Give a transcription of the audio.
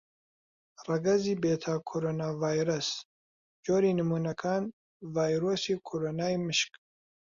ڕەگەزی بێتاکۆڕوناڤایرەس: جۆری نموونەکان: ڤایرۆسی کۆڕۆنای مشک.